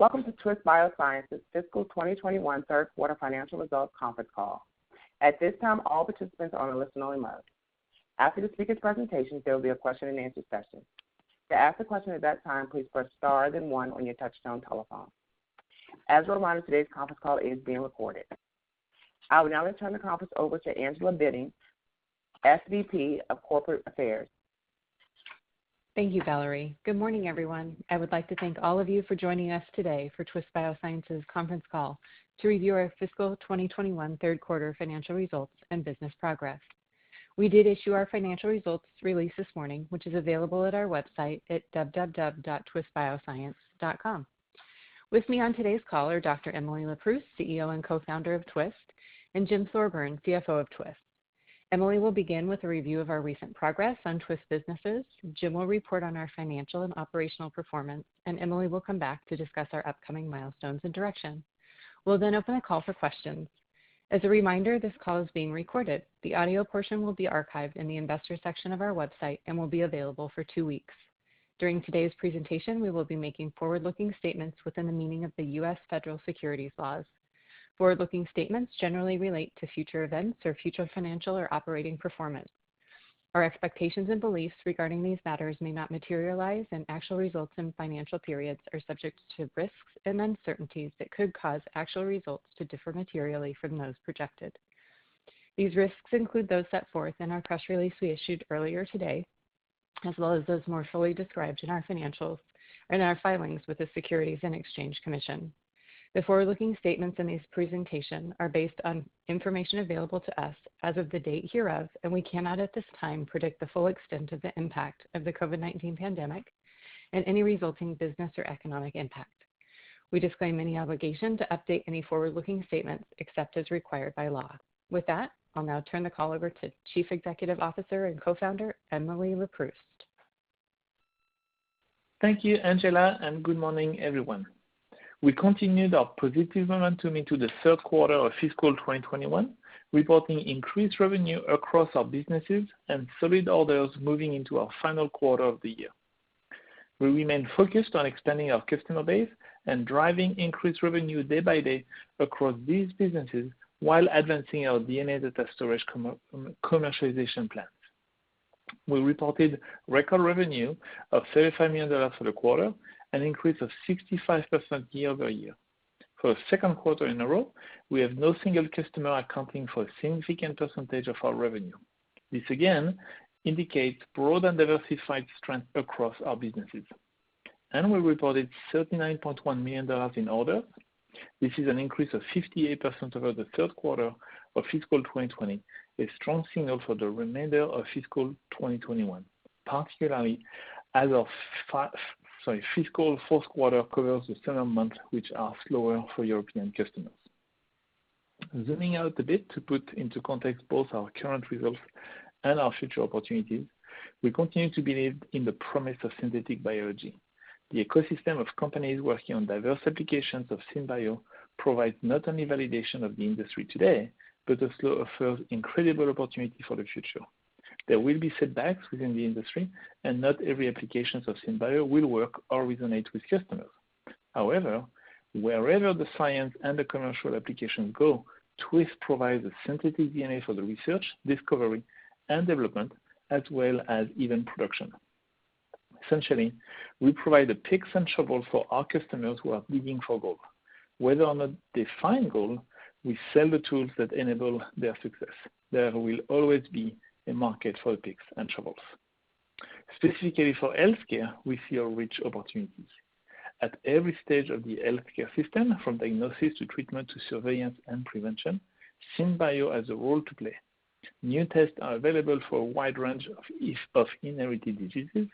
Welcome to Twist Bioscience's fiscal 2021 third quarter financial results conference call. At this time, all participants are on a listen-only mode. After the speaker's presentation, there will be a question-and-answer session. To ask a question at that time, please press star then one on your touchtone telephone. As a reminder, today's conference call is being recorded. I will now turn the conference over to Angela Bitting, SVP of Corporate Affairs. Thank you, Valerie. Good morning, everyone. I would like to thank all of you for joining us today for Twist Bioscience's conference call to review our fiscal 2021 third quarter financial results and business progress. We did issue our financial results release this morning, which is available at our website at www.twistbioscience.com. With me on today's call are Dr. Emily Leproust, CEO and Co-Founder of Twist, and Jim Thorburn, CFO of Twist. Emily will begin with a review of our recent progress on Twist businesses. Jim will report on our financial and operational performance, and Emily will come back to discuss our upcoming milestones and direction. We'll then open the call for questions. As a reminder, this call is being recorded. The audio portion will be archived in the Investors section of our website and will be available for two weeks. During today's presentation, we will be making forward-looking statements within the meaning of the U.S. federal securities laws. Forward-looking statements generally relate to future events or future financial or operating performance. Our expectations and beliefs regarding these matters may not materialize, and actual results and financial periods are subject to risks and uncertainties that could cause actual results to differ materially from those projected. These risks include those set forth in our press release we issued earlier today, as well as those more fully described in our financials and our filings with the Securities and Exchange Commission. The forward-looking statements in this presentation are based on information available to us as of the date hereof, we cannot at this time predict the full extent of the impact of the COVID-19 pandemic and any resulting business or economic impact. We disclaim any obligation to update any forward-looking statements except as required by law. With that, I'll now turn the call over to Chief Executive Officer and Co-Founder, Emily Leproust. Thank you, Angela. Good morning, everyone. We continued our positive momentum into the third quarter of fiscal 2021, reporting increased revenue across our businesses and solid orders moving into our final quarter of the year. We remain focused on expanding our customer base and driving increased revenue day by day across these businesses while advancing our DNA data storage commercialization plans. We reported record revenue of $35 million for the quarter, an increase of 65% year-over-year. For a second quarter in a row, we have no single customer accounting for a significant percentage of our revenue. This again indicates broad and diversified strength across our businesses. We reported $39.1 million in orders. This is an increase of 58% over the third quarter of fiscal 2020, a strong signal for the remainder of fiscal 2021, particularly as our fiscal fourth quarter covers the summer months, which are slower for European customers. Zooming out a bit to put into context both our current results and our future opportunities, we continue to believe in the promise of synthetic biology. The ecosystem of companies working on diverse applications of Synbio provides not only validation of the industry today, but also offers incredible opportunity for the future. There will be setbacks within the industry, and not every application of Synbio will work or resonate with customers. However, wherever the science and the commercial applications go, Twist provides the synthetic DNA for the research, discovery, and development, as well as even production. Essentially, we provide the picks and shovels for our customers who are digging for gold. Whether or not they find gold, we sell the tools that enable their success. There will always be a market for picks and shovels. Specifically for healthcare, we see rich opportunities. At every stage of the healthcare system, from diagnosis to treatment to surveillance and prevention, Synbio has a role to play. New tests are available for a wide range of inherited diseases.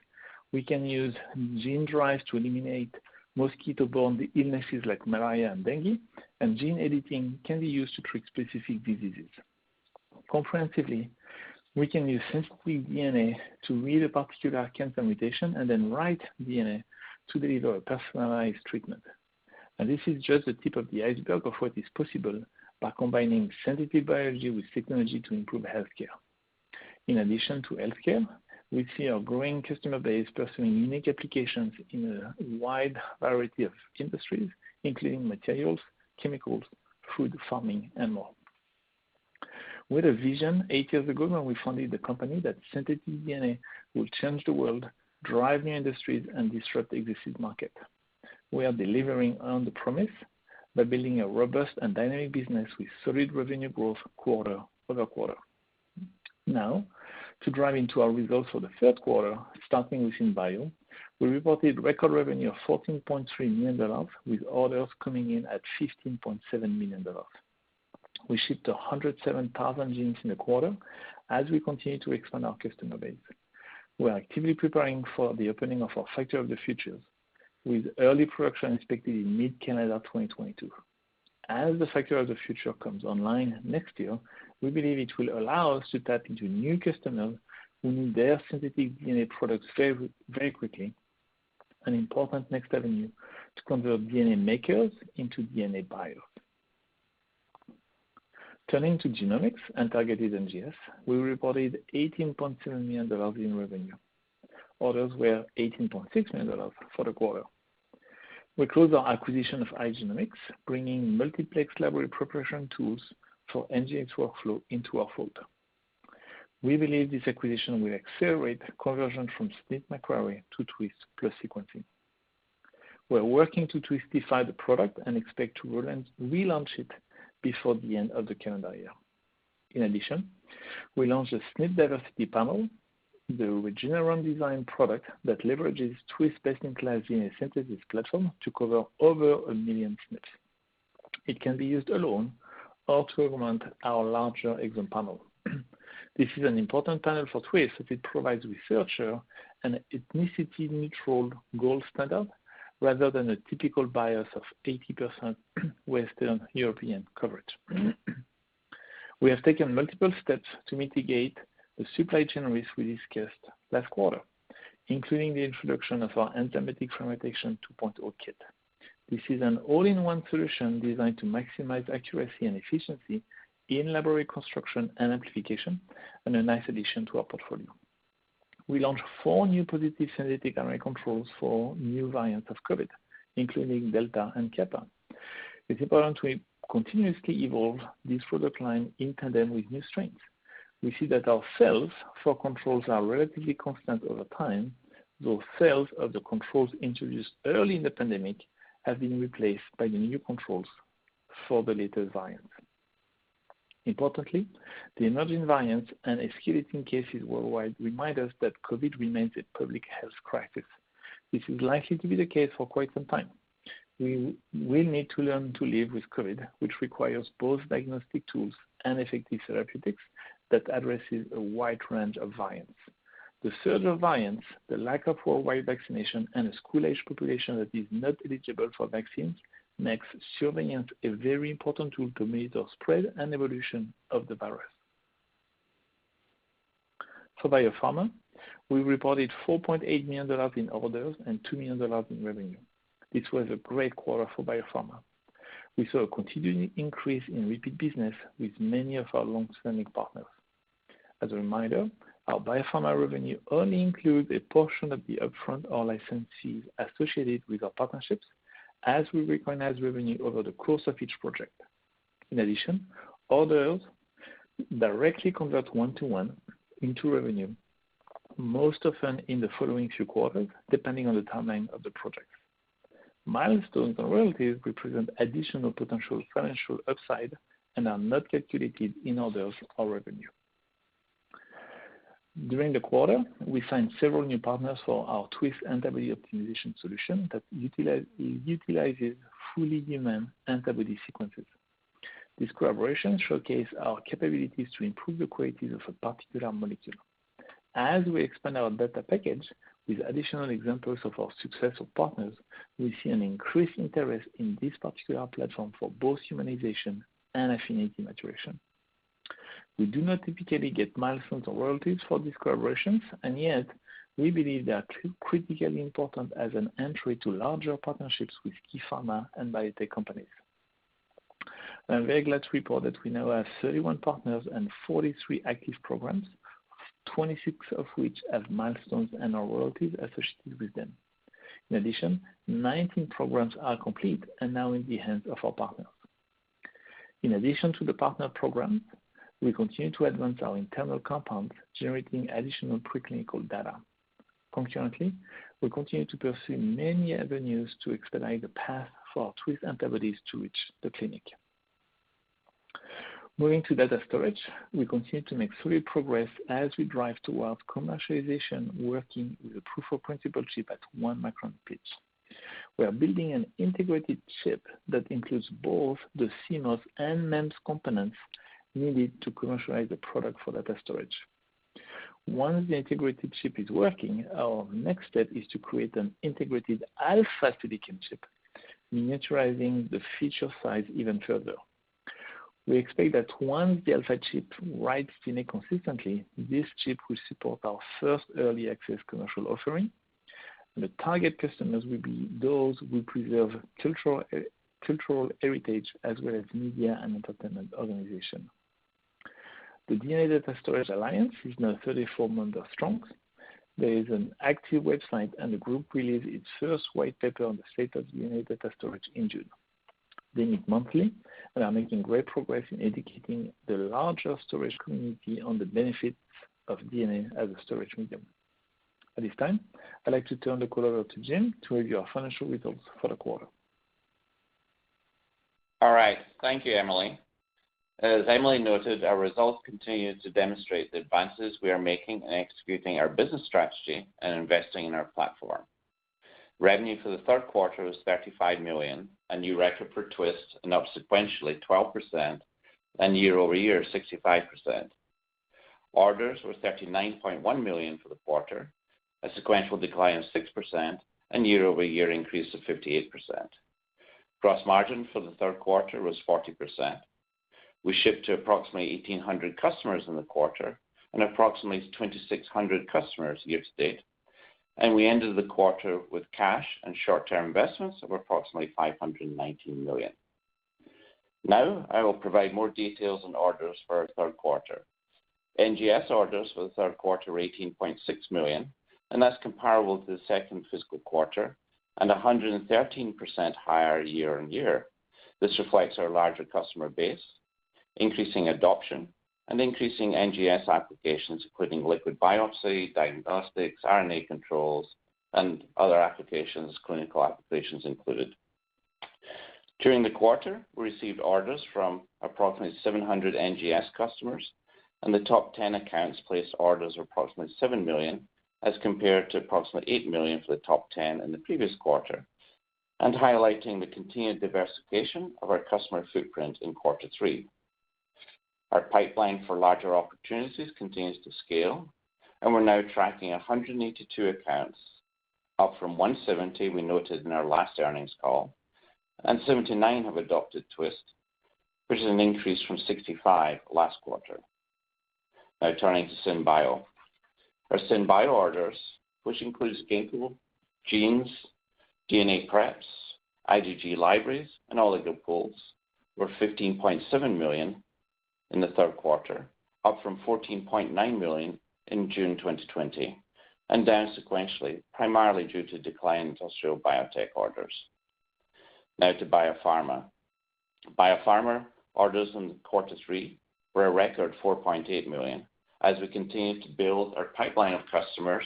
We can use gene drives to eliminate mosquito-borne illnesses like malaria and dengue, and gene editing can be used to treat specific diseases. Comprehensively, we can use synthetic DNA to read a particular cancer mutation and then write DNA to deliver a personalized treatment. This is just the tip of the iceberg of what is possible by combining synthetic biology with technology to improve healthcare. In addition to healthcare, we see our growing customer base pursuing unique applications in a wide variety of industries, including materials, chemicals, food, farming and more. With a vision, eight years ago when we founded the company, that synthetic DNA will change the world, drive new industries and disrupt existing markets. We are delivering on the promise by building a robust and dynamic business with solid revenue growth quarter-over-quarter. Now, to dive into our results for the third quarter, starting with Synbio, we reported record revenue of $14.3 million with orders coming in at $15.7 million. We shipped 107,000 genes in the quarter as we continue to expand our customer base. We are actively preparing for the opening of our Factory of the Future, with early production expected in mid-calendar 2022. As the Factory of the Future comes online next year, we believe it will allow us to tap into new customers who need their synthetic DNA products very quickly, an important next avenue to convert DNA makers into DNA buyers. Turning to genomics and targeted NGS, we reported $18.7 million in revenue. Orders were $18.6 million for the quarter. We closed our acquisition of iGenomX, bringing multiplex library preparation tools for NGS workflow into our folder. We believe this acquisition will accelerate the conversion from SNP array to Twist plus sequencing. We are working to Twistify the product and expect to relaunch it before the end of the calendar year. In addition, we launched a SNP diversity panel, the Regeneron design product that leverages Twist-based next-gen DNA synthesis platform to cover over a million SNPs. It can be used alone or to augment our larger exome panel. This is an important panel for Twist, as it provides researcher an ethnicity neutral gold standard, rather than a typical bias of 80% Western European coverage. We have taken multiple steps to mitigate the supply chain risk we discussed last quarter, including the introduction of our Enzymatic Fragmentation 2.0 Kit. This is an all-in-one solution designed to maximize accuracy and efficiency in library construction and amplification, and a nice addition to our portfolio. We launched four new positive synthetic RNA controls for new variants of COVID, including Delta and Kappa. It's important we continuously evolve this product line in tandem with new strains. We see that our sales for controls are relatively constant over time, though sales of the controls introduced early in the pandemic have been replaced by the new controls for the latest variants. Importantly, the emerging variants and escalating cases worldwide remind us that COVID remains a public health crisis. This is likely to be the case for quite some time. We will need to learn to live with COVID, which requires both diagnostic tools and effective therapeutics that addresses a wide range of variants. The surge of variants, the lack of worldwide vaccination, and a school-age population that is not eligible for vaccines, makes surveillance a very important tool to monitor spread and evolution of the virus. For biopharma, we reported $4.8 million in orders and $2 million in revenue. This was a great quarter for biopharma. We saw a continuing increase in repeat business with many of our long-standing partners. As a reminder, our biopharma revenue only includes a portion of the upfront or license fees associated with our partnerships as we recognize revenue over the course of each project. In addition, orders directly convert one to one into revenue, most often in the following few quarters, depending on the timeline of the project. Milestones and royalties represent additional potential financial upside and are not calculated in orders or revenue. During the quarter, we signed several new partners for our Twist antibody optimization solution that utilizes fully human antibody sequences. This collaboration showcase our capabilities to improve the qualities of a particular molecule. As we expand our data package with additional examples of our successful partners, we see an increased interest in this particular platform for both humanization and affinity maturation. We do not typically get milestones or royalties for these collaborations, and yet we believe they are critically important as an entry to larger partnerships with key pharma and biotech companies. I'm very glad to report that we now have 31 partners and 43 active programs, 26 of which have milestones and/or royalties associated with them. In addition, 19 programs are complete and now in the hands of our partners. In addition to the partner programs, we continue to advance our internal compounds, generating additional preclinical data. Concurrently, we continue to pursue many avenues to expedite the path for Twist antibodies to reach the clinic. Moving to data storage, we continue to make steady progress as we drive towards commercialization, working with a proof of principle chip at one micron pitch. We are building an integrated chip that includes both the CMOS and MEMS components needed to commercialize the product for data storage. Once the integrated chip is working, our next step is to create an integrated alpha silicon chip, miniaturizing the feature size even further. We expect that once the alpha chip writes DNA consistently, this chip will support our first early access commercial offering. The target customers will be those who preserve cultural heritage as well as media and entertainment organizations. The DNA Data Storage Alliance is now 34 members strong. There is an active website, and the group released its first white paper on the state of DNA data storage in June. They meet monthly and are making great progress in educating the larger storage community on the benefits of DNA as a storage medium. At this time, I'd like to turn the call over to Jim to review our financial results for the quarter. All right. Thank you, Emily. As Emily noted, our results continue to demonstrate the advances we are making in executing our business strategy and investing in our platform. Revenue for the third quarter was $35 million, a new record for Twist, and up sequentially 12% and year-over-year 65%. Orders were $39.1 million for the quarter, a sequential decline of 6%, and year-over-year increase of 58%. Gross margin for the third quarter was 40%. We shipped to approximately 1,800 customers in the quarter and approximately 2,600 customers year to date. We ended the quarter with cash and short-term investments of approximately $519 million. Now, I will provide more details on orders for our third quarter. NGS orders for the third quarter were $18.6 million, and that's comparable to the second fiscal quarter and 113% higher year-on-year. This reflects our larger customer base, increasing adoption, and increasing NGS applications, including liquid biopsy, diagnostics, RNA controls, and other applications, clinical applications included. During the quarter, we received orders from approximately 700 NGS customers, and the top 10 accounts placed orders of approximately $7 million as compared to approximately $8 million for the top 10 in the previous quarter, and highlighting the continued diversification of our customer footprint in quarter three. Our pipeline for larger opportunities continues to scale, and we're now tracking 182 accounts, up from 170 we noted in our last earnings call, and 79 have adopted Twist, which is an increase from 65 last quarter. Now turning to Synbio. Our Synbio orders, which includes gene pools, genes, DNA preps, IgG libraries, and oligo pools, were $15.7 million in the third quarter, up from $14.9 million in June 2020, and down sequentially, primarily due to decline in industrial biotech orders. To biopharma. Biopharma orders in quarter three were a record $4.8 million as we continue to build our pipeline of customers,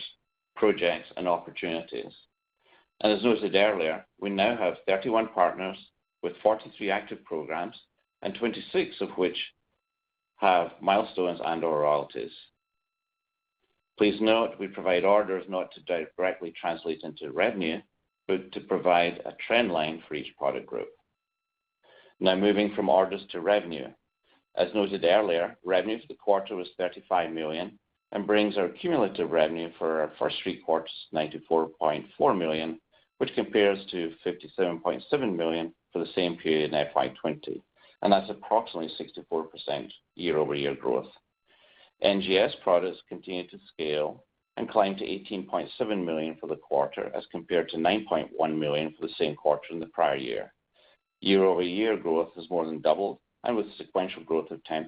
projects, and opportunities. As noted earlier, we now have 31 partners with 43 active programs and 26 of which have milestones and/or royalties. Please note we provide orders not to directly translate into revenue, but to provide a trend line for each product group. Moving from orders to revenue. As noted earlier, revenue for the quarter was $35 million and brings our cumulative revenue for our first three quarters to $94.4 million, which compares to $57.7 million for the same period in FY 2020. That's approximately 64% year-over-year growth. NGS products continued to scale and climbed to $18.7 million for the quarter as compared to $9.1 million for the same quarter in the prior year. Year-over-year growth has more than doubled and with sequential growth of 10%.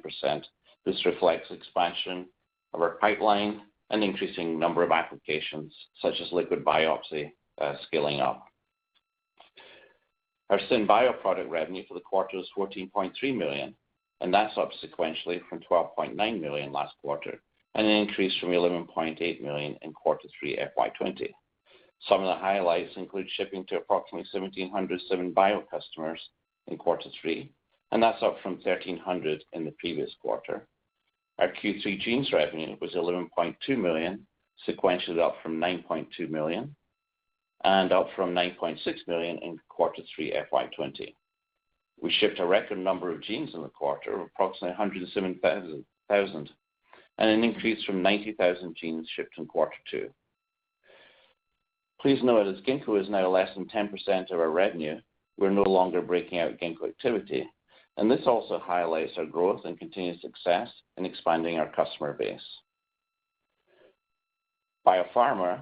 This reflects expansion of our pipeline and increasing number of applications such as liquid biopsy scaling up. Our Synbio product revenue for the quarter was $14.3 million, and that's up sequentially from $12.9 million last quarter, and an increase from $11.8 million in quarter three FY 2020. Some of the highlights include shipping to approximately 1,700 Synbio customers in quarter three, and that's up from 1,300 in the previous quarter. Our Q3 genes revenue was $11.2 million, sequentially up from $9.2 million, and up from $9.6 million in quarter three FY 2020. We shipped a record number of genes in the quarter of approximately 107,000 and an increase from 90,000 genes shipped in quarter two. Please note, as Ginkgo is now less than 10% of our revenue, we're no longer breaking out Ginkgo activity. This also highlights our growth and continued success in expanding our customer base. Biopharma,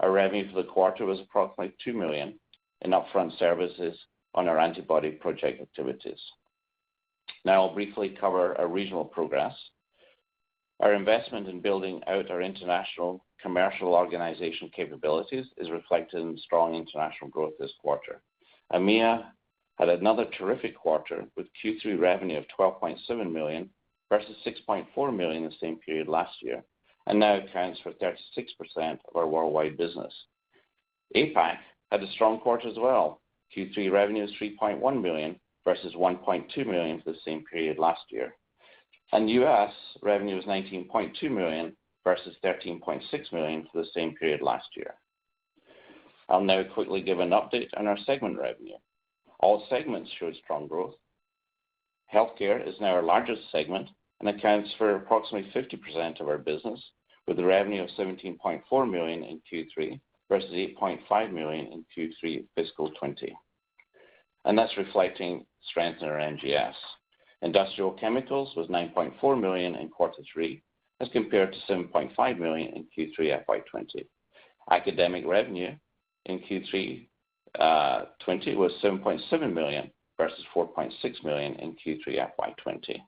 our revenue for the quarter was approximately $2 million in upfront services on our antibody project activities. Now I'll briefly cover our regional progress. Our investment in building out our international commercial organization capabilities is reflected in strong international growth this quarter. EMEA had another terrific quarter with Q3 revenue of $12.7 million, versus $6.4 million in the same period last year, and now accounts for 36% of our worldwide business. APAC had a strong quarter as well. Q3 revenue is $3.1 million, versus $1.2 million for the same period last year. U.S. revenue is $19.2 million versus $13.6 million for the same period last year. I'll now quickly give an update on our segment revenue. All segments showed strong growth. Healthcare is now our largest segment and accounts for approximately 50% of our business, with a revenue of $17.4 million in Q3, versus $8.5 million in Q3 fiscal 2020. That's reflecting strength in our NGS. Industrial chemicals was $9.4 million in Q3 as compared to $7.5 million in Q3 FY 2020. Academic revenue in Q3 2020 was $7.7 million versus $4.6 million in Q3 FY 2020.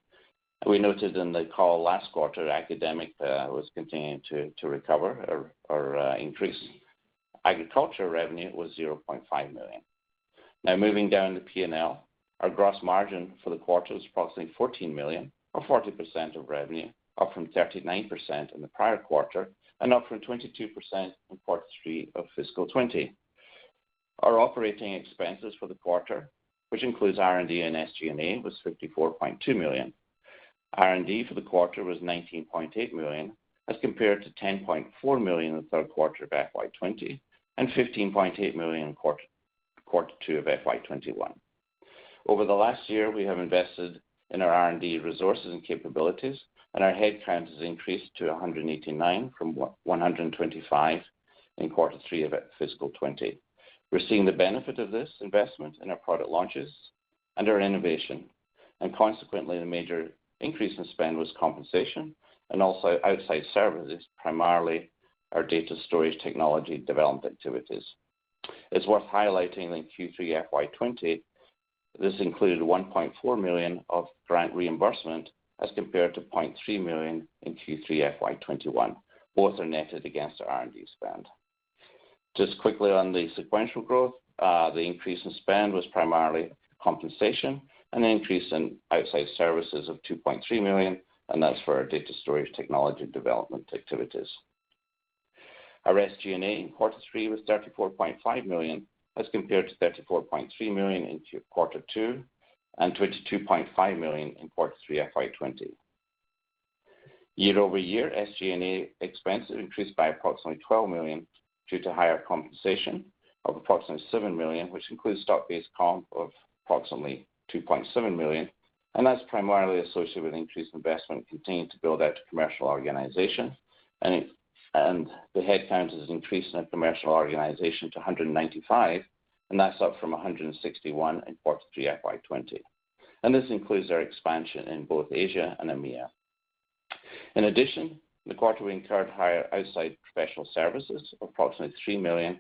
We noted in the call last quarter, academic was continuing to recover or increase. Agriculture revenue was $0.5 million. Now moving down to P&L. Our gross margin for the quarter was approximately $14 million or 40% of revenue, up from 39% in the prior quarter and up from 22% in quarter three of fiscal 2020. Our operating expenses for the quarter, which includes R&D and SG&A, was $54.2 million. R&D for the quarter was $19.8 million as compared to $10.4 million in the third quarter of FY 2020 and $15.8 million in quarter two of FY 2021. Over the last year, we have invested in our R&D resources and capabilities, and our headcount has increased to 189 from 125 in quarter three of fiscal 2020. We're seeing the benefit of this investment in our product launches and our innovation, consequently, the major increase in spend was compensation and also outside services, primarily our data storage technology development activities. It's worth highlighting in Q3 FY 2020, this included $1.4 million of grant reimbursement as compared to $0.3 million in Q3 FY 2021. Both are netted against our R&D spend. Just quickly on the sequential growth, the increase in spend was primarily compensation and an increase in outside services of $2.3 million, and that's for our data storage technology development activities. Our SG&A in quarter three was $34.5 million as compared to $34.3 million in quarter two and $22.5 million in quarter three FY 2020. Year-over-year, SG&A expenses increased by approximately $12 million due to higher compensation of approximately $7 million, which includes stock-based comp of approximately $2.7 million, that's primarily associated with increased investment and continuing to build out a commercial organization. The headcount has increased in our commercial organization to 195, that's up from 161 in quarter three FY 2020. This includes our expansion in both Asia and EMEA. In addition, the quarter we incurred higher outside professional services, approximately $3 million,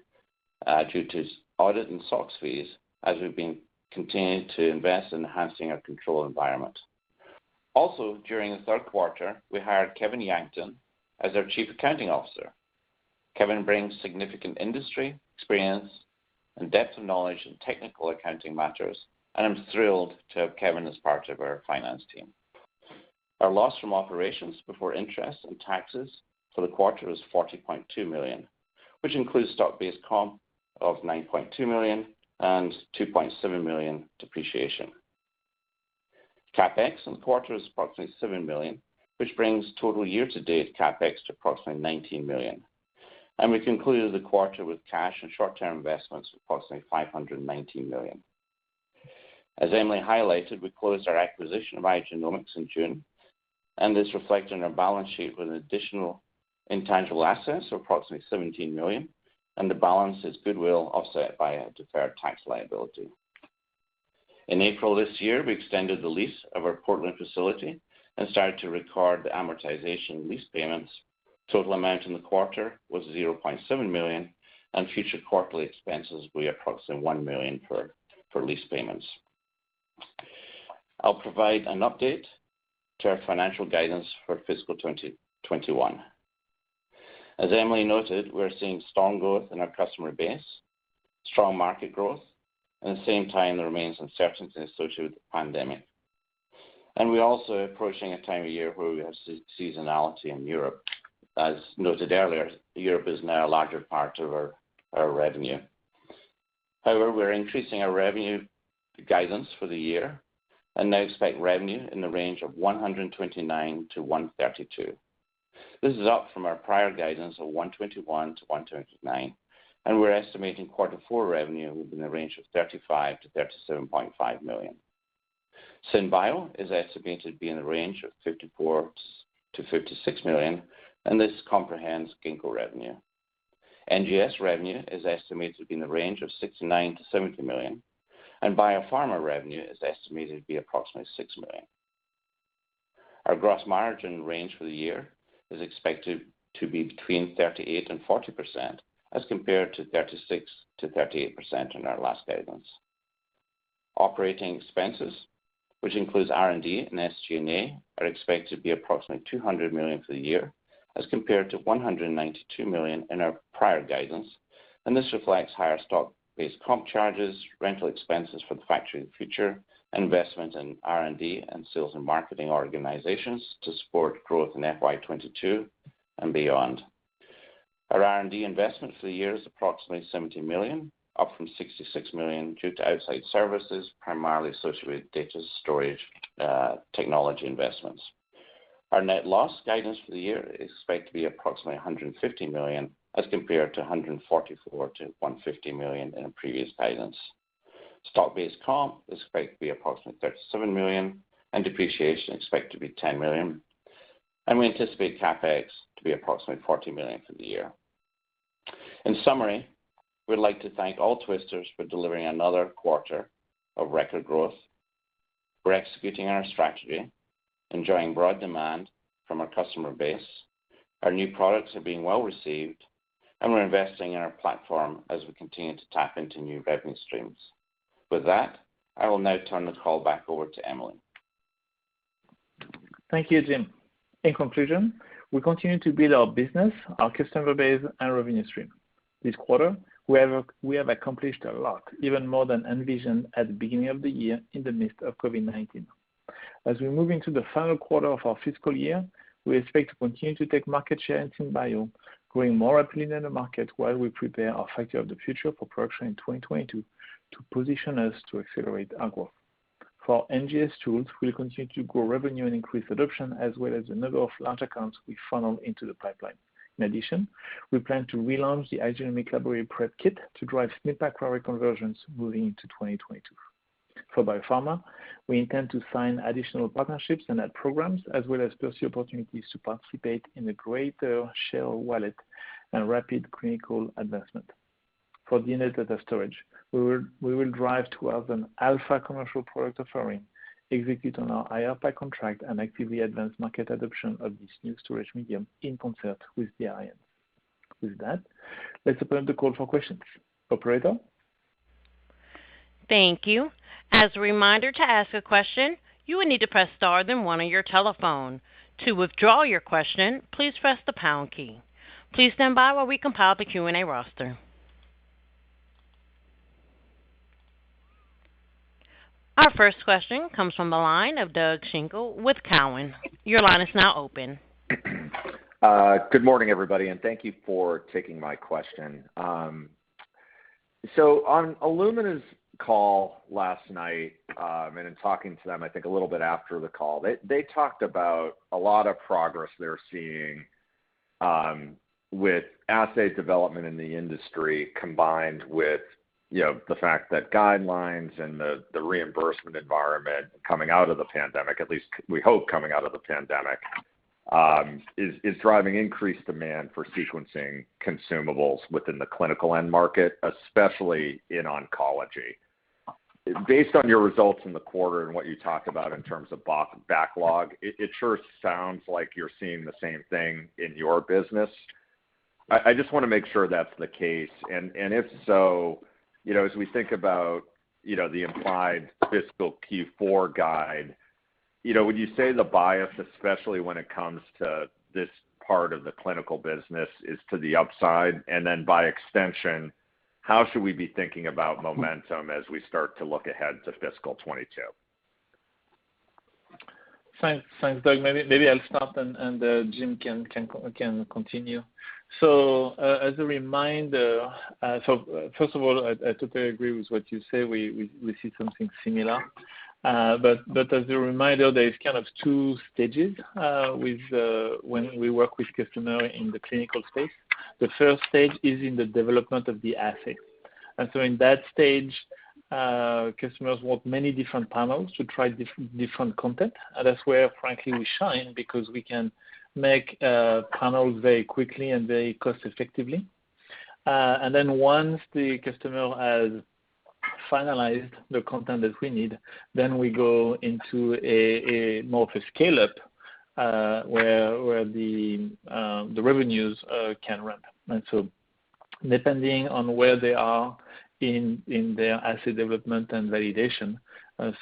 due to audit and SOX fees as we've been continuing to invest in enhancing our control environment. Also, during the third quarter, we hired Kevin Yankton as our Chief Accounting Officer. Kevin brings significant industry experience and depth of knowledge in technical accounting matters, I'm thrilled to have Kevin as part of our finance team. Our loss from operations before interest and taxes for the quarter was $40.2 million, which includes stock-based comp of $9.2 million and $2.7 million depreciation. CapEx in the quarter is approximately $7 million, which brings total year-to-date CapEx to approximately $19 million. We concluded the quarter with cash and short-term investments of approximately $519 million. As Emily highlighted, we closed our acquisition of iGenomX in June, and this reflected on our balance sheet with an additional intangible assets of approximately $17 million, and the balance is goodwill offset by a deferred tax liability. In April this year, we extended the lease of our Portland facility and started to record the amortization lease payments. Total amount in the quarter was $0.7 million. Future quarterly expenses will be approximately $1 million per lease payments. I'll provide an update to our financial guidance for fiscal 2021. As Emily noted, we're seeing strong growth in our customer base, strong market growth, and at the same time, there remains uncertainty associated with the pandemic. We're also approaching a time of year where we have seasonality in Europe. As noted earlier, Europe is now a larger part of our revenue. We're increasing our revenue guidance for the year and now expect revenue in the range of $129 million-$132 million. This is up from our prior guidance of $121 million-$129 million, and we're estimating quarter four revenue within the range of $35 million-$37.5 million. Synbio is estimated to be in the range of $54 million-$56 million, and this comprehends Ginkgo revenue. NGS revenue is estimated to be in the range of $69 million-$70 million, and Biopharma revenue is estimated to be approximately $6 million. Our gross margin range for the year is expected to be between 38% and 40%, as compared to 36%-38% in our last guidance. Operating expenses, which includes R&D and SG&A, are expected to be approximately $200 million for the year as compared to $192 million in our prior guidance. This reflects higher stock-based comp charges, rental expenses for the Factory of the Future, investment in R&D, and sales and marketing organizations to support growth in FY 2022 and beyond. Our R&D investment for the year is approximately $70 million, up from $66 million due to outside services, primarily associated with data storage technology investments. Our net loss guidance for the year is expected to be approximately $150 million as compared to $144 million-$150 million in our previous guidance. Stock-based comp is expected to be approximately $37 million and depreciation expected to be $10 million. We anticipate CapEx to be approximately $40 million for the year. In summary, we'd like to thank all Twisters for delivering another quarter of record growth. We're executing on our strategy, enjoying broad demand from our customer base. Our new products are being well-received, and we're investing in our platform as we continue to tap into new revenue streams. With that, I will now turn the call back over to Emily. Thank you, Jim. In conclusion, we continue to build our business, our customer base, and revenue stream. This quarter, we have accomplished a lot, even more than envisioned at the beginning of the year in the midst of COVID-19. As we move into the final quarter of our fiscal year, we expect to continue to take market share in Synbio, growing more rapidly than the market while we prepare our Factory of the Future for production in 2022 to position us to accelerate our growth. For our NGS tools, we'll continue to grow revenue and increase adoption as well as the number of large accounts we funnel into the pipeline. In addition, we plan to relaunch the iGenomX laboratory prep kit to drive SNP array conversions moving into 2022. For biopharma, we intend to sign additional partnerships and add programs as well as pursue opportunities to participate in the greater share wallet and rapid clinical advancement. For DNA data storage, we will drive towards an alpha commercial product offering, execute on our IARPA contract, and actively advance market adoption of this new storage medium in concert with the INN. With that, let's open the call for questions. Operator? Thank you. As a reminder, to ask a question, you would need to press star, then one on your telephone. To withdraw your question, please press the pound key. Please stand by while we compile the Q&A roster. Our first question comes from the line of Doug Schenkel with Cowen. Your line is now open. Good morning, everybody, and thank you for taking my question. On Illumina's call last night, and in talking to them, I think a little bit after the call, they talked about a lot of progress they're seeing with assay development in the industry, combined with the fact that guidelines and the reimbursement environment coming out of the pandemic, at least we hope coming out of the pandemic, is driving increased demand for sequencing consumables within the clinical end market, especially in oncology. Based on your results in the quarter and what you talk about in terms of backlog, it sure sounds like you're seeing the same thing in your business. I just want to make sure that's the case. If so, as we think about the implied fiscal Q4 guide, would you say the bias, especially when it comes to this part of the clinical business, is to the upside? By extension, how should we be thinking about momentum as we start to look ahead to fiscal 2022? Thanks, Doug. Maybe I'll start and Jim can continue. As a reminder-- First of all, I totally agree with what you say. We see something similar. As a reminder, there's kind of two stages when we work with customer in the clinical space. The first stage is in the development of the assay. In that stage, customers want many different panels to try different content. That's where, frankly, we shine because we can make panels very quickly and very cost effectively. Once the customer has finalized the content that we need, then we go into a more of a scale-up, where the revenues can ramp. Depending on where they are in their assay development and validation,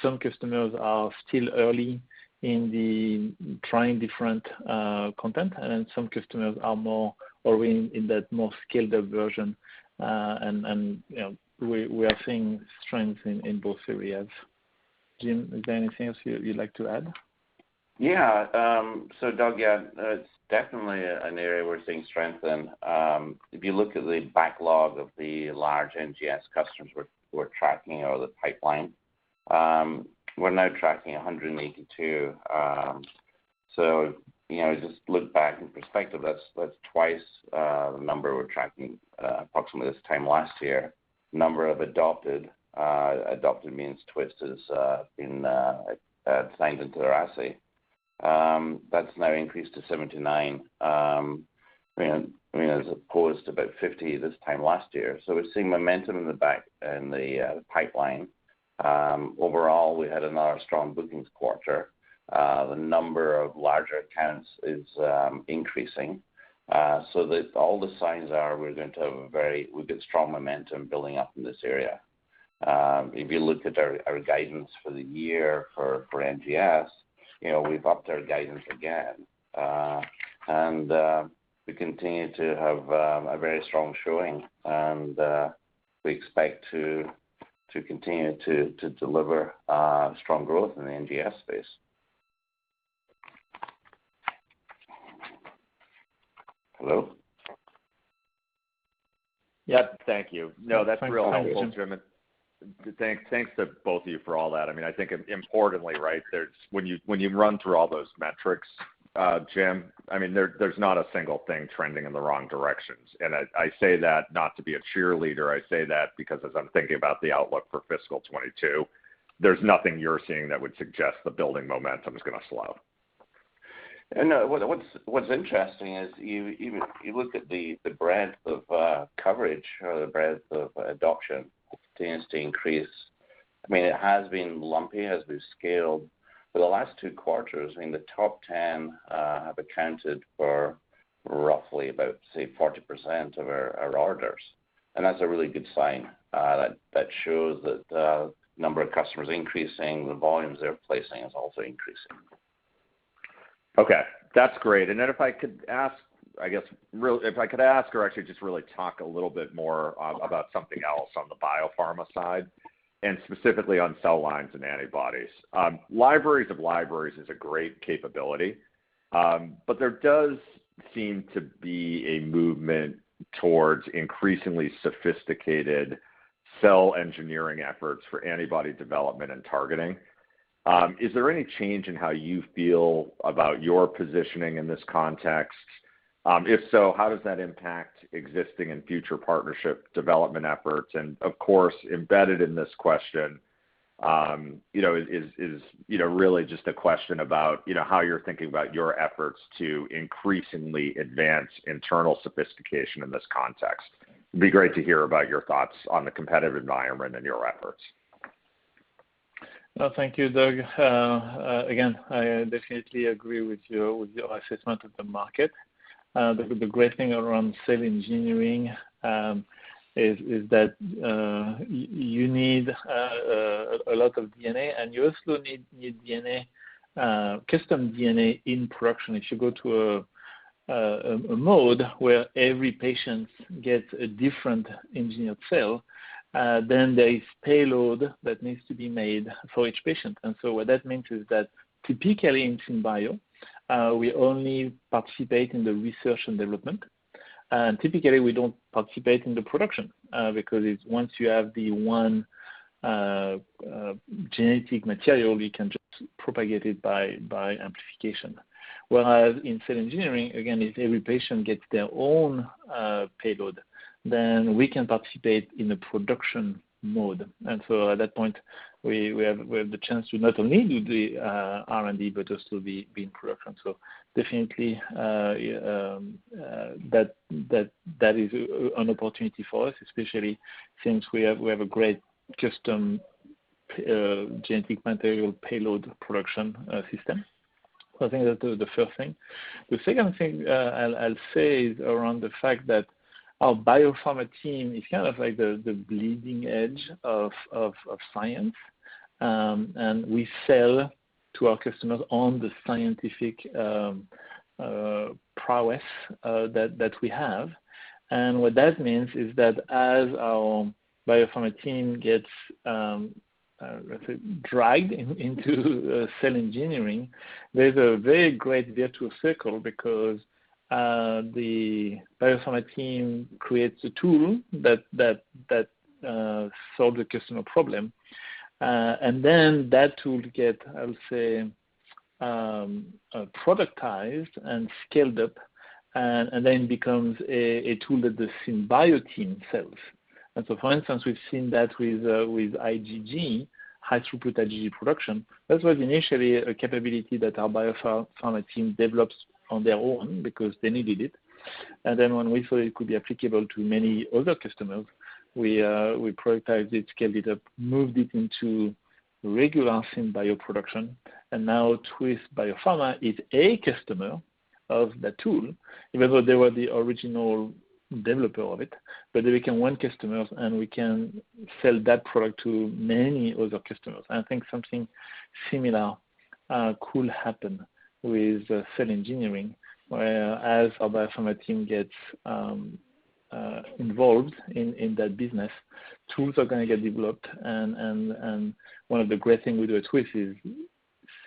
some customers are still early in trying different content, and then some customers are more in that more scaled up version. We are seeing strength in both areas. Jim, is there anything else you'd like to add? Yeah. Doug, yeah, it's definitely an area we're seeing strength in. If you look at the backlog of the large NGS customers we're tracking or the pipeline, we're now tracking 182. Just look back in perspective, that's twice the number we're tracking approximately this time last year. Number of adopted means Twist has been signed into their assay, that's now increased to 79. As opposed to about 50 this time last year. We're seeing momentum in the back and the pipeline. Overall, we had another strong bookings quarter. The number of larger accounts is increasing. All the signs are we've got strong momentum building up in this area. If you look at our guidance for the year for NGS, we've upped our guidance again. We continue to have a very strong showing and we expect to continue to deliver strong growth in the NGS space. Hello? Yep. Thank you. No, that's real helpful, Jim. Thanks to both of you for all that. I think importantly, when you run through all those metrics, Jim, there's not a single thing trending in the wrong directions. I say that not to be a cheerleader, I say that because as I'm thinking about the outlook for fiscal 2022, there's nothing you're seeing that would suggest the building momentum is going to slow. No, what's interesting is you look at the breadth of coverage or the breadth of adoption tends to increase. It has been lumpy as we've scaled, but the last two quarters, the top 10 have accounted for roughly about, say, 40% of our orders. That's a really good sign that shows that the number of customers increasing, the volumes they're placing is also increasing. Okay. That's great. Then if I could ask or actually just really talk a little bit more about something else on the biopharma side, and specifically on cell lines and antibodies. Libraries of libraries is a great capability. There does seem to be a movement towards increasingly sophisticated cell engineering efforts for antibody development and targeting. Is there any change in how you feel about your positioning in this context? If so, how does that impact existing and future partnership development efforts? Of course, embedded in this question is really just a question about how you're thinking about your efforts to increasingly advance internal sophistication in this context. It'd be great to hear about your thoughts on the competitive environment and your efforts. Well, thank you, Doug. Again, I definitely agree with your assessment of the market. The great thing around cell engineering is that you need a lot of DNA, and you also need custom DNA in production. If you go to a mode where every patient gets a different engineered cell, then there is payload that needs to be made for each patient. What that means is that typically in Synbio, we only participate in the R&D. Typically, we don't participate in the production, because once you have the one genetic material, we can just propagate it by amplification. Whereas in cell engineering, again, if every patient gets their own payload, then we can participate in the production mode. At that point, we have the chance to not only do the R&D, but also be in production. Definitely, that is an opportunity for us, especially since we have a great custom genetic material payload production system. I think that's the first thing. The second thing I'll say is around the fact that our Biopharma team is kind of like the bleeding edge of science. We sell to our customers on the scientific prowess that we have. What that means is that as our Biopharma team gets, let's say, dragged into cell engineering, there's a very great virtual circle because the Biopharma team creates a tool that solves a customer problem. That tool gets, I would say, productized and scaled up, then becomes a tool that the Synbio team sells. For instance, we've seen that with IgG, high throughput IgG production. That was initially a capability that our Biopharma team developed on their own because they needed it. When we saw it could be applicable to many other customers, we productized it, scaled it up, moved it into regular Synbio production. Now Twist Biopharma is a customer of that tool, even though they were the original developer of it. We can win customers, and we can sell that product to many other customers. I think something similar could happen with cell engineering, where as our biopharma team gets involved in that business, tools are going to get developed. One of the great things we do at Twist is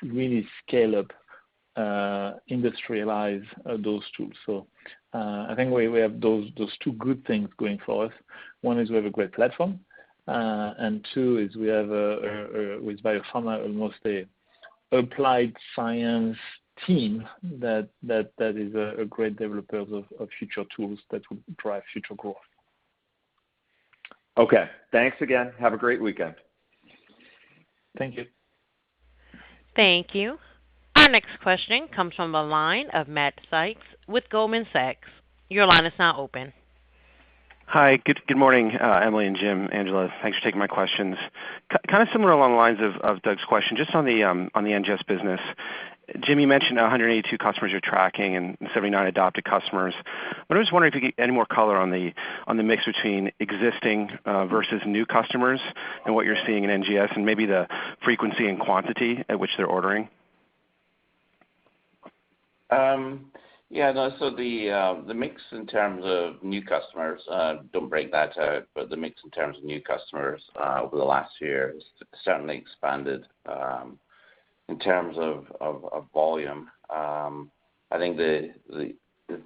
really scale up, industrialize those tools. I think we have those two good things going for us. One is we have a great platform, and two is we have, with biopharma, almost an applied science team that is a great developer of future tools that will drive future growth. Okay. Thanks again. Have a great weekend. Thank you. Thank you. Our next question comes from the line of Matt Sykes with Goldman Sachs. Your line is now open. Hi. Good morning, Emily and Jim, Angela. Thanks for taking my questions. Kind of similar along the lines of Doug's question, just on the NGS business. Jim, you mentioned 182 customers you're tracking and 79 adopted customers. I'm just wondering if you could get any more color on the mix between existing versus new customers and what you're seeing in NGS and maybe the frequency and quantity at which they're ordering. The mix in terms of new customers, don't break that out, but the mix in terms of new customers over the last year has certainly expanded. In terms of volume, I think the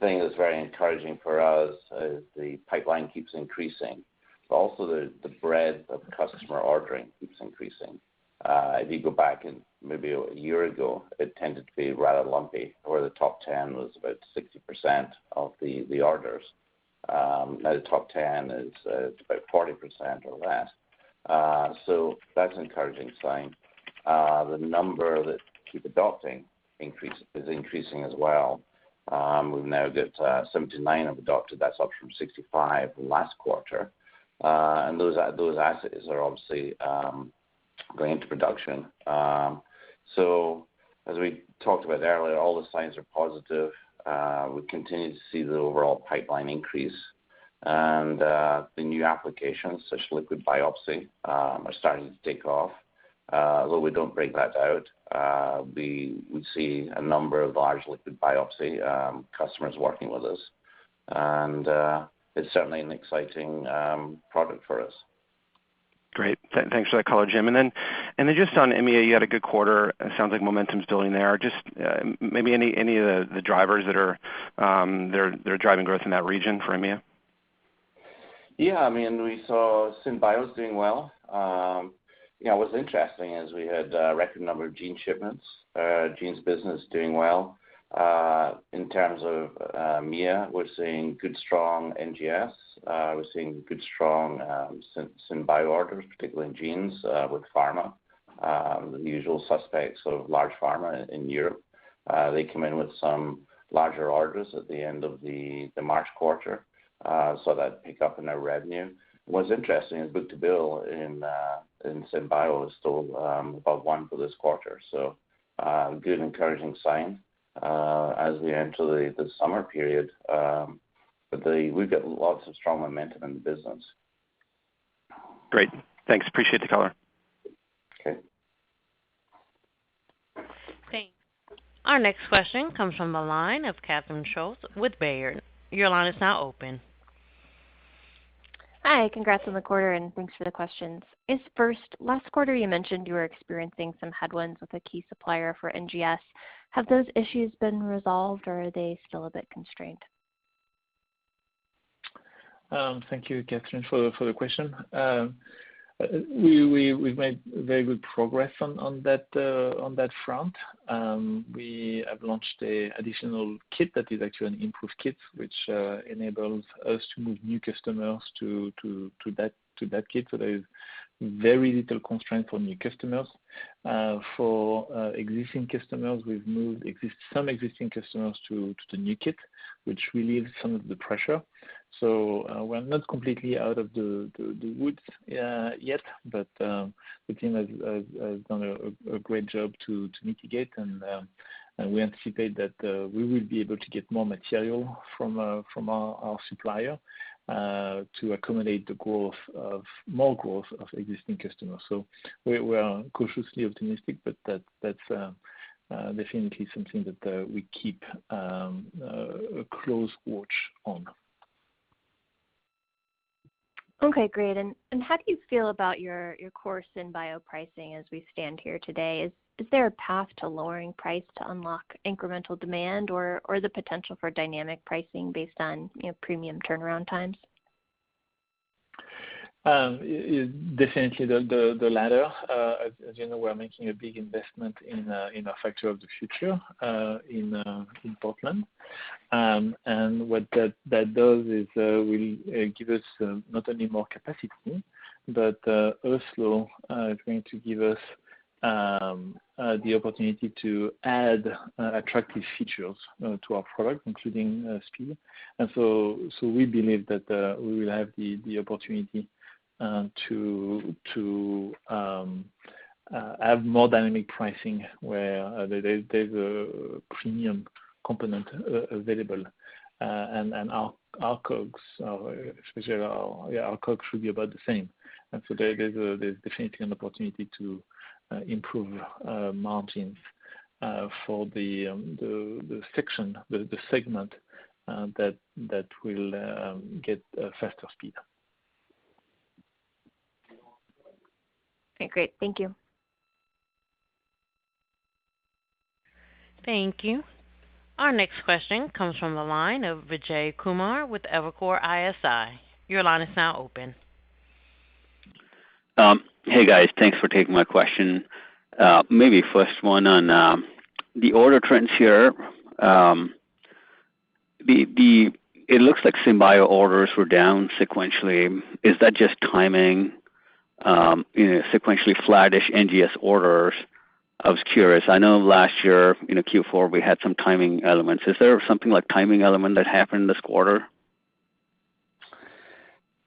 thing that's very encouraging for us is the pipeline keeps increasing. Also the breadth of customer ordering keeps increasing. If you go back maybe a year ago, it tended to be rather lumpy, where the top 10 was about 60% of the orders. Now the top 10 is about 40% or less. That's an encouraging sign. The number that keep adopting is increasing as well. We've now got 79 have adopted. That's up from 65 last quarter. Those assets are obviously going into production. As we talked about earlier, all the signs are positive. We continue to see the overall pipeline increase and the new applications, such as liquid biopsy, are starting to take off. Although we don't break that out, we see a number of large liquid biopsy customers working with us. It's certainly an exciting product for us. Great. Thanks for that color, Jim. Then just on EMEA, you had a good quarter. It sounds like momentum's building there. Just maybe any of the drivers that are driving growth in that region for EMEA? Yeah, we saw Synbio's doing well. What's interesting is we had a record number of gene shipments, genes business doing well. In terms of EMEA, we're seeing good, strong NGS. We're seeing good, strong Synbio orders, particularly in genes with pharma. The usual suspects of large pharma in Europe. They come in with some larger orders at the end of the March quarter, so that pick up in our revenue. What's interesting is book-to-bill in Synbio is still above one for this quarter, good encouraging sign as we enter the summer period. We've got lots of strong momentum in the business. Great. Thanks. Appreciate the color. Okay. Thank you. Our next question comes from the line of Catherine Schulte with Baird. Your line is now open. Hi, congrats on the quarter, and thanks for the questions. First, last quarter you mentioned you were experiencing some headwinds with a key supplier for NGS. Have those issues been resolved, or are they still a bit constrained? Thank you, Catherine, for the question. We've made very good progress on that front. We have launched an additional kit that is actually an improved kit, which enables us to move new customers to that kit. There is very little constraint for new customers. For existing customers, we've moved some existing customers to the new kit, which relieves some of the pressure. We're not completely out of the woods yet, but the team has done a great job to mitigate, and we anticipate that we will be able to get more material from our supplier, to accommodate more growth of existing customers. We are cautiously optimistic, but that's definitely something that we keep a close watch on. Okay, great. How do you feel about your core Synbio pricing as we stand here today? Is there a path to lowering price to unlock incremental demand, or the potential for dynamic pricing based on premium turnaround times? Definitely the latter. As you know, we're making a big investment in our Factory of the Future in Portland. What that does is will give us not only more capacity, but also is going to give us the opportunity to add attractive features to our product, including speed. We believe that we will have the opportunity to have more dynamic pricing, where there's a premium component available. Our COGS should be about the same. There's definitely an opportunity to improve margins for the segment that will get faster speed. Okay, great. Thank you. Thank you. Our next question comes from the line of Vijay Kumar with Evercore ISI. Your line is now open. Hey, guys. Thanks for taking my question. Maybe first one on the order trends here. It looks like Synbio orders were down sequentially. Is that just timing, sequentially flattish NGS orders? I was curious. I know last year in Q4, we had some timing elements. Is there something like timing element that happened this quarter?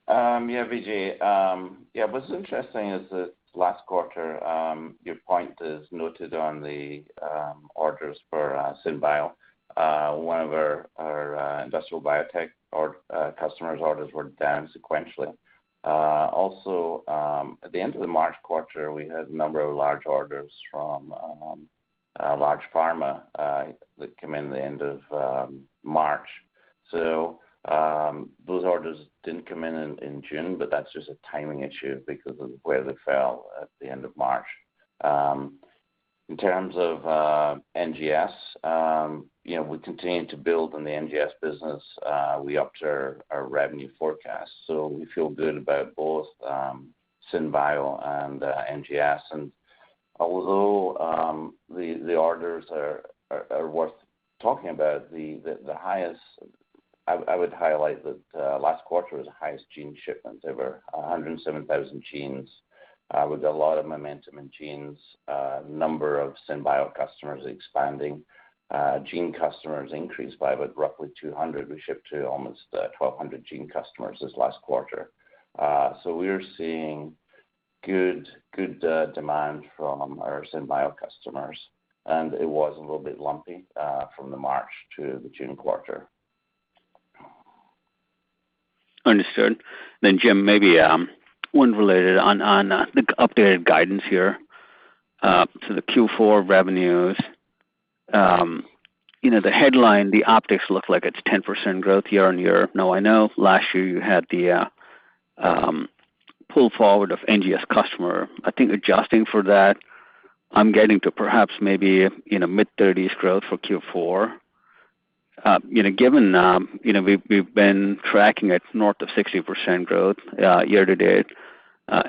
Vijay. What's interesting is that last quarter, your point is noted on the orders for Synbio. One of our industrial biotech customers' orders were down sequentially. At the end of the March quarter, we had a number of large orders from large pharma that come in the end of March. Those orders didn't come in in June, but that's just a timing issue because of where they fell at the end of March. In terms of NGS, we continue to build on the NGS business. We upped our revenue forecast. We feel good about both Synbio and NGS. Although, the orders are worth talking about, I would highlight that last quarter was the highest gene shipments ever, 107,000 genes. We've got a lot of momentum in genes. Number of Synbio customers expanding. Gene customers increased by about roughly 200. We shipped to almost 1,200 gene customers this last quarter. We're seeing good demand from our Synbio customers, and it was a little bit lumpy from the March to the June quarter. Understood. Jim, maybe one related on the updated guidance here to the Q4 revenues. The headline, the optics look like it's 10% growth year-over-year. I know last year you had the pull forward of NGS customer. I think adjusting for that, I'm getting to perhaps maybe mid-30s growth for Q4. Given we've been tracking at north of 60% growth year to date,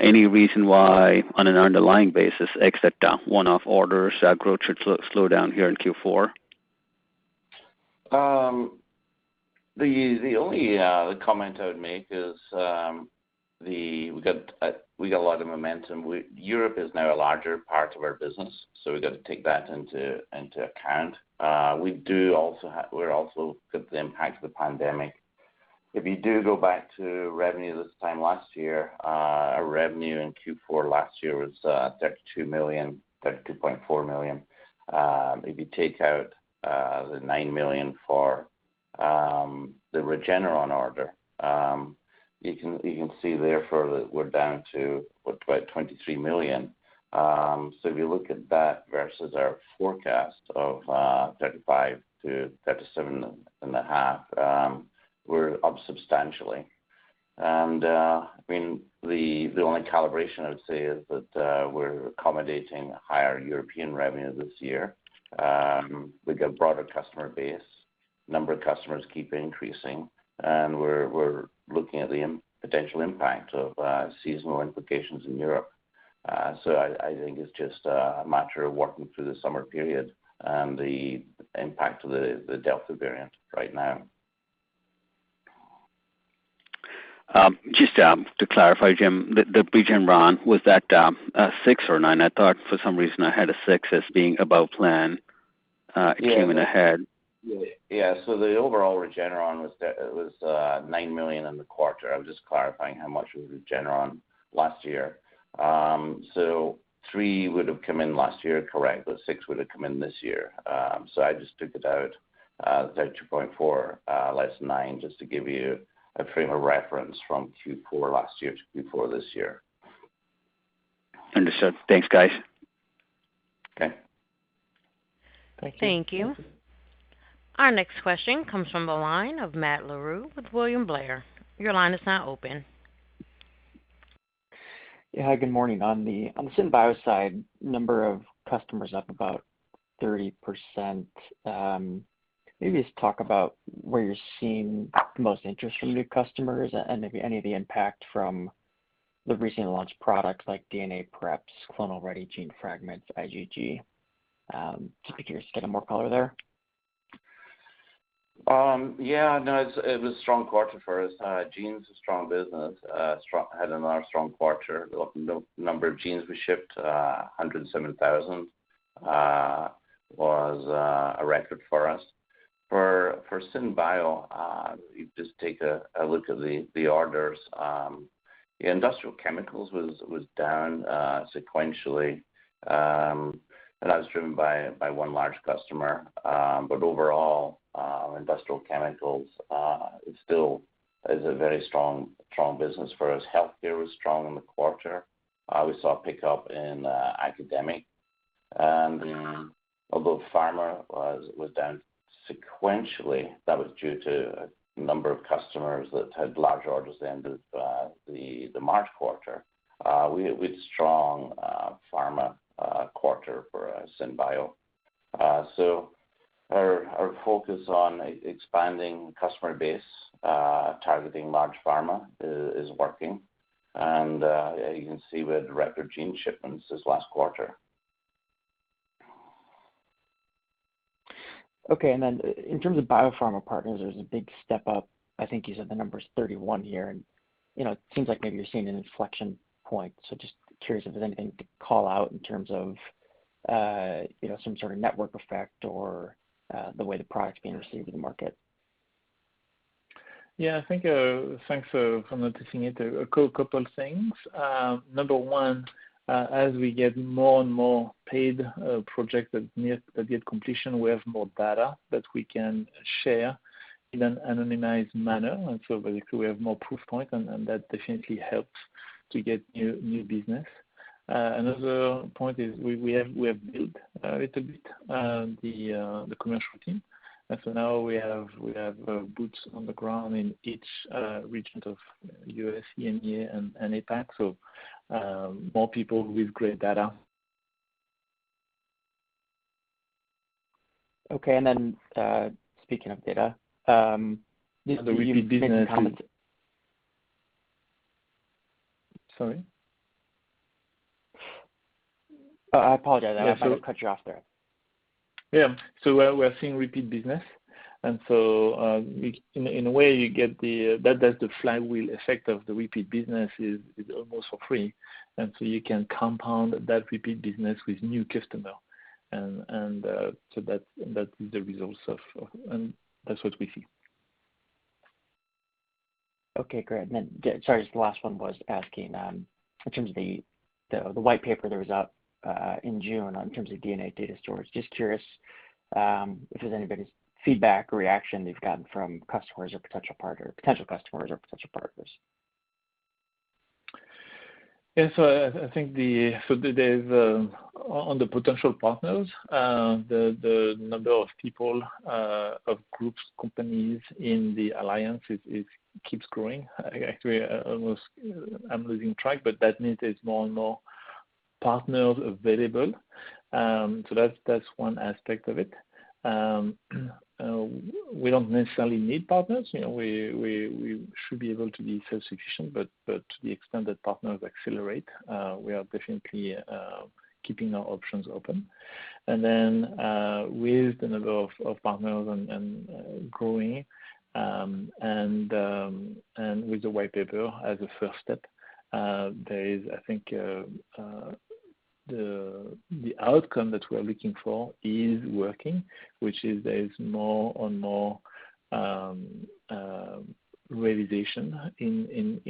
any reason why on an underlying basis, except one-off orders, growth should slow down here in Q4? The only comment I would make is. We got a lot of momentum. Europe is now a larger part of our business. We've got to take that into account. We also got the impact of the pandemic. If you do go back to revenue this time last year, our revenue in Q4 last year was $32 million, $32.4 million. If you take out the $9 million for the Regeneron order, you can see therefore that we're down to, what, about $23 million. If you look at that versus our forecast of $35 million-$37.5 million, we're up substantially. The only calibration I would say is that we're accommodating higher European revenue this year. We've got a broader customer base. Number of customers keep increasing. We're looking at the potential impact of seasonal implications in Europe. I think it's just a matter of working through the summer period and the impact of the Delta variant right now. Just to clarify, Jim, the Regeneron, was that six or nine? I thought for some reason I had a six as being above plan coming ahead. Yeah. The overall Regeneron was $9 million in the quarter. I was just clarifying how much was Regeneron last year. $3 would've come in last year, correct, but $6 would've come in this year. I just took it out, $32.4 less $9, just to give you a frame of reference from Q4 last year to Q4 this year. Understood. Thanks, guys. Okay. Thank you. Our next question comes from the line of Matt Larew with William Blair. Your line is now open. Yeah. Good morning. On the Synbio side, number of customers up about 30%. Maybe just talk about where you're seeing the most interest from new customers and maybe any of the impact from the recently launched products like DNA preps, clonal-ready gene fragments, IgG. Just curious to get more color there. Yeah, no, it was a strong quarter for us. Genes, a strong business, had another strong quarter. Number of genes we shipped, 107,000, was a record for us. For Synbio, if you just take a look at the orders, Industrial Chemicals was down sequentially. That was driven by one large customer. Overall, Industrial Chemicals still is a very strong business for us. Healthcare was strong in the quarter. We saw a pickup in Academic. Although Pharma was down sequentially, that was due to a number of customers that had large orders the end of the March quarter. We had a strong Pharma quarter for Synbio. Our focus on expanding customer base, targeting large pharma is working. You can see we had record gene shipments this last quarter. Okay. In terms of biopharma partners, there's a big step-up. I think you said the number's 31 here, and it seems like maybe you're seeing an inflection point. Just curious if there's anything to call out in terms of some sort of network effect or the way the product's being received in the market. Yeah, thanks for noticing it. A couple of things. Number one, as we get more and more paid projects that get completion, we have more data that we can share in an anonymized manner. Basically, we have more proof points, and that definitely helps to get new business. Another point is we have built a little bit, the commercial team, now we have boots on the ground in each region of U.S., EMEA, and APAC. More people with great data. Okay. Speaking of data, you've been commented- The repeat business. Sorry. Oh, I apologize. I thought I cut you off there. Yeah. We're seeing repeat business. In a way, that's the flywheel effect of the repeat business is almost for free. You can compound that repeat business with new customer. That is the results, and that's what we see. Okay, great. Sorry, the last one was asking, in terms of the white paper that was out in June, in terms of DNA data storage, just curious if there's any big feedback or reaction you've gotten from customers or potential partners? On the potential partners, the number of people, of groups, companies in the Alliance, it keeps growing. Actually, I'm losing track, but that means there's more and more partners available. That's one aspect of it. We don't necessarily need partners. We should be able to be self-sufficient, but to the extent that partners accelerate, we are definitely keeping our options open. With the number of partners growing, and with the white paper as a first step, I think the outcome that we're looking for is working, which is there's more and more realization in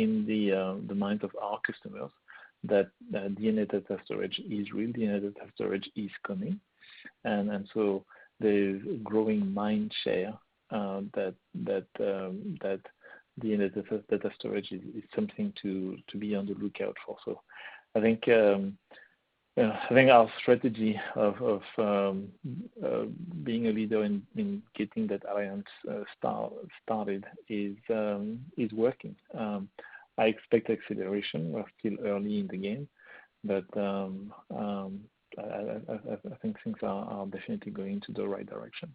the mind of our customers that DNA data storage is real, DNA data storage is coming. The growing mind share that DNA data storage is something to be on the lookout for. I think our strategy of being a leader in getting that Alliance started is working. I expect acceleration. We're still early in the game, but I think things are definitely going to the right direction.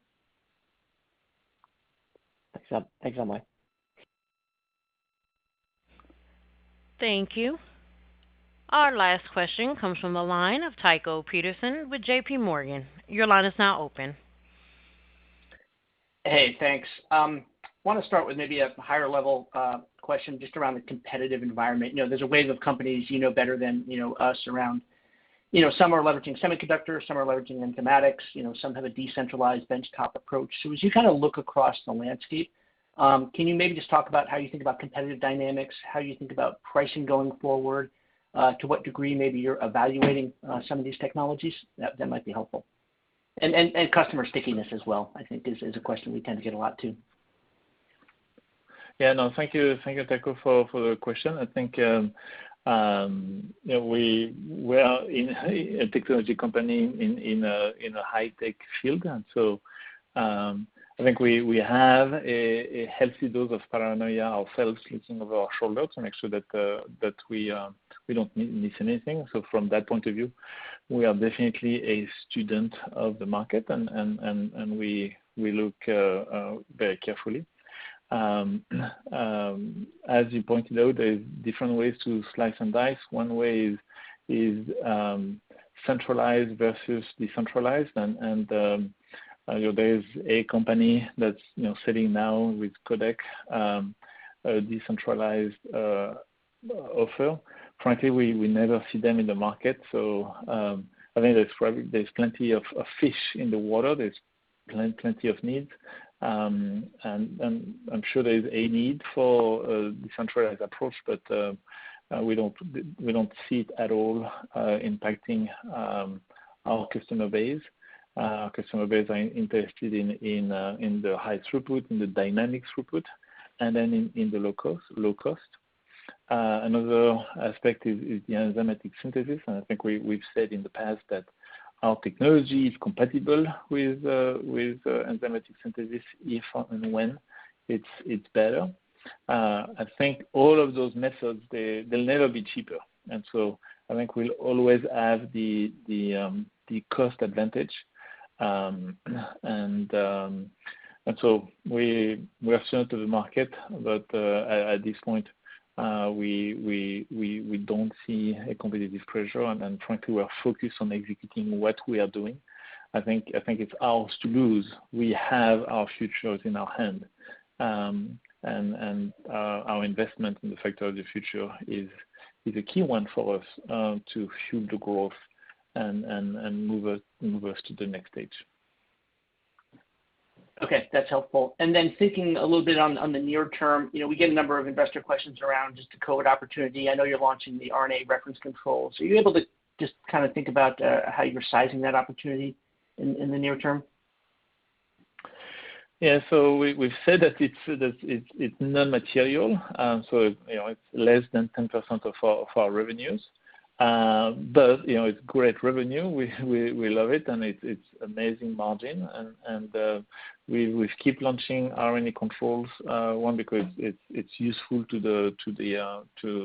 Thanks a lot, Emily. Thank you. Our last question comes from the line of Tycho Peterson with JPMorgan. Hey, thanks. I want to start with maybe a higher level question, just around the competitive environment. There is a wave of companies you know better than us around. Some are leveraging semiconductors, some are leveraging informatics, some have a decentralized bench-top approach. As you look across the landscape, can you maybe just talk about how you think about competitive dynamics, how you think about pricing going forward? To what degree maybe you are evaluating some of these technologies, that might be helpful. Customer stickiness as well, I think is a question we tend to get a lot, too. Yeah. No, thank you. Thank you, Tycho, for the question. I think we are a technology company in a high-tech field, and so I think we have a healthy dose of paranoia ourselves, keeping over our shoulders to make sure that we don't miss anything. From that point of view, we are definitely a student of the market, and we look very carefully. As you pointed out, there's different ways to slice and dice. One way is centralized versus decentralized, and there's a company that's sitting now with Codex, a decentralized offer. Frankly, we never see them in the market. I think there's plenty of fish in the water. There's plenty of needs. I'm sure there's a need for a decentralized approach. We don't see it at all impacting our customer base. Our customer base are interested in the high throughput, in the dynamic throughput, and then in the low cost. Another aspect is the enzymatic synthesis, and I think we've said in the past that our technology is compatible with enzymatic synthesis if and when it's better. I think all of those methods, they'll never be cheaper, and so I think we'll always have the cost advantage. We are selling to the market, but at this point, we don't see a competitive pressure. Frankly, we are focused on executing what we are doing. I think it's ours to lose. We have our futures in our hand, and our investment in the Factory of the Future is a key one for us to fuel the growth and move us to the next stage. Okay, that's helpful. Thinking a little bit on the near term, we get a number of investor questions around just the COVID opportunity. I know you're launching the RNA reference control. Are you able to just kind of think about how you're sizing that opportunity in the near term? We've said that it's non-material, so it's less than 10% of our revenues. It's great revenue. It's amazing margin. We've keep launching RNA controls, one, because it's useful to the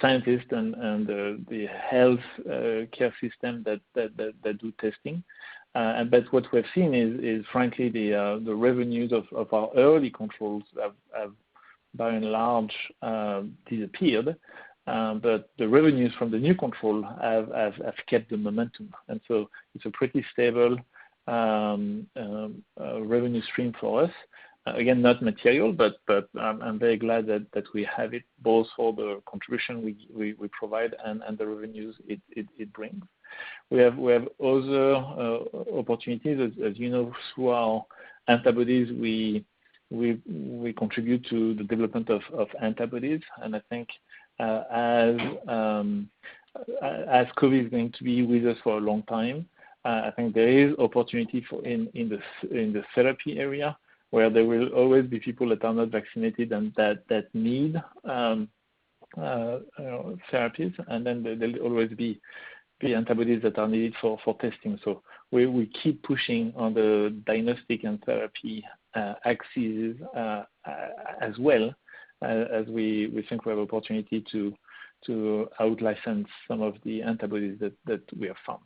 scientist and the health care system that do testing. What we've seen is, frankly, the revenues of our early controls have by and large disappeared. The revenues from the new control have kept the momentum. It's a pretty stable revenue stream for us. Again, not material, but I'm very glad that we have it, both for the contribution we provide and the revenues it brings. We have other opportunities. As you know, through our antibodies, we contribute to the development of antibodies. I think as COVID is going to be with us for a long time, I think there is opportunity in the therapy area, where there will always be people that are not vaccinated and that need therapies, and then there'll always be antibodies that are needed for testing. We will keep pushing on the diagnostic and therapy axes as well, as we think we have opportunity to out-license some of the antibodies that we have found.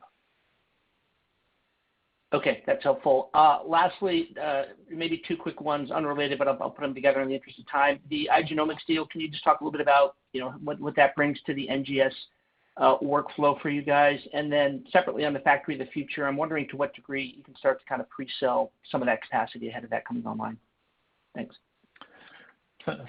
Okay, that's helpful. Lastly, maybe two quick ones, unrelated, but I'll put them together in the interest of time. The iGenomX deal, can you just talk a little bit about what that brings to the NGS workflow for you guys? Separately on the Factory of the Future, I'm wondering to what degree you can start to pre-sell some of that capacity ahead of that coming online. Thanks.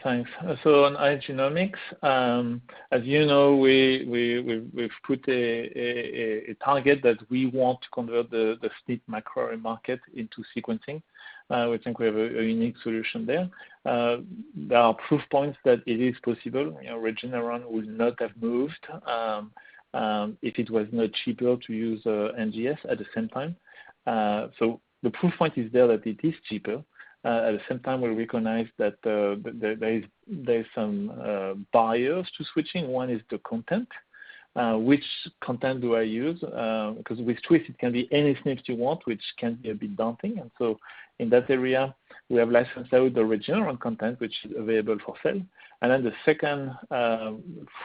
Thanks. On iGenomX, as you know, we've put a target that we want to convert the SNP microarray market into sequencing. We think we have a unique solution there. There are proof points that it is possible. Regeneron would not have moved, if it was not cheaper to use NGS at the same time. The proof point is there that it is cheaper. At the same time, we recognize that there's some barriers to switching. One is the content. Which content do I use? Because with Twist, it can be any SNPs you want, which can be a bit daunting. In that area, we have licensed out the Regeneron content, which is available for sale. Then the second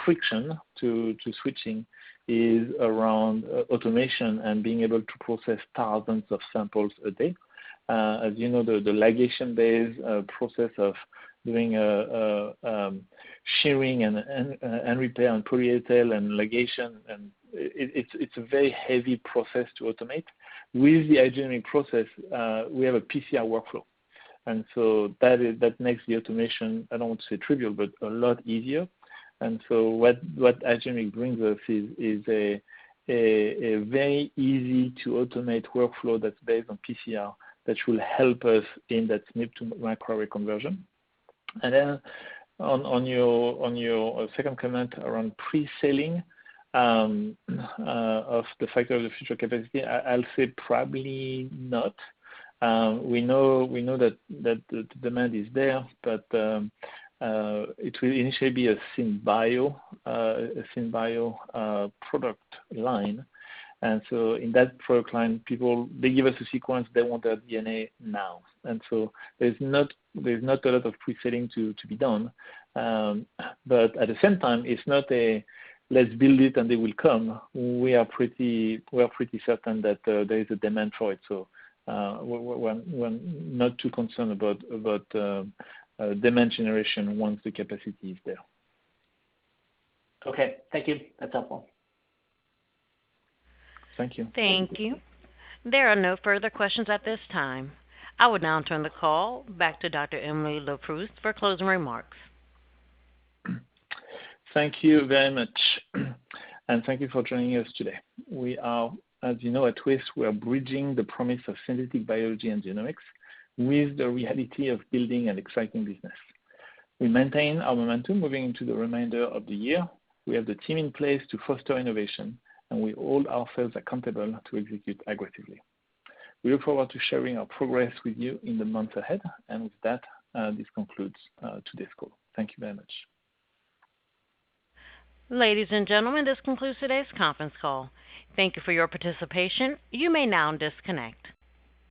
friction to switching is around automation and being able to process thousands of samples a day. As you know, the ligation-based process of doing shearing and repair and polyethyl and ligation, and it's a very heavy process to automate. With the iGenomX process, we have a PCR workflow, and so that makes the automation, I don't want to say trivial, but a lot easier. What iGenomX brings us is a very easy-to-automate workflow that's based on PCR, that will help us in that SNP to microarray conversion. On your second comment around pre-selling of the Factory of the Future capacity, I'll say probably not. We know that the demand is there, but it will initially be a Synbio product line. In that product line, people, they give us a sequence, they want their DNA now. There's not a lot of pre-selling to be done. At the same time, it's not a, "Let's build it, and they will come." We are pretty certain that there is a demand for it. We're not too concerned about demand generation once the capacity is there. Okay. Thank you. That's helpful. Thank you. Thank you. There are no further questions at this time. I would now turn the call back to Dr. Emily Leproust for closing remarks. Thank you very much, and thank you for joining us today. We are, as you know, at Twist, we are bridging the promise of synthetic biology and genomics with the reality of building an exciting business. We maintain our momentum moving into the remainder of the year. We have the team in place to foster innovation, and we hold ourselves accountable to execute aggressively. We look forward to sharing our progress with you in the months ahead. With that, this concludes today's call. Thank you very much. Ladies and gentlemen, this concludes today's conference call. Thank you for your participation. You may now disconnect.